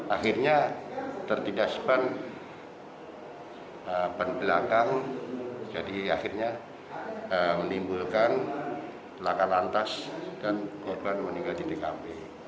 akhirnya tertidak sepan belakang jadi akhirnya menimbulkan lakar lantas dan korban meninggal di tkb